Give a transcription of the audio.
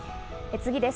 次です。